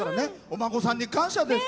お孫さんに感謝です。